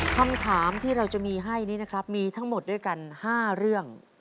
คำถามที่เราจะมีให้นี้นะครับมีทั้งหมดด้วยกัน๕เรื่อง